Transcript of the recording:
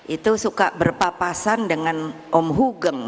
itu suka berpapasan dengan om hugeng